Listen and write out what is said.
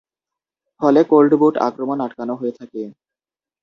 ফলে কোল্ড-বুট আক্রমণ আটকানো হয়ে থাকে।